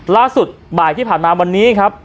ล่าสุดบ่ายที่ผ่านมาวันนี้ครับ